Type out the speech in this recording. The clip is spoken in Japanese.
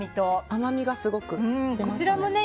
甘みがすごく出ますね。